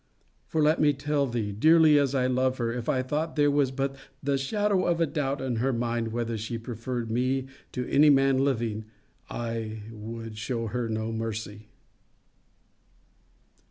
For, let me tell thee, dearly as I love her, if I thought there was but the shadow of a doubt in her mind whether she preferred me to any man living, I would shew her no mercy.